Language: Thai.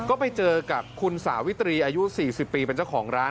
ก็ไปเจอกับคุณสาวิตรีอายุ๔๐ปีเป็นเจ้าของร้าน